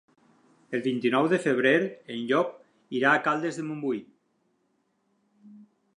El vint-i-nou de febrer en Llop irà a Caldes de Montbui.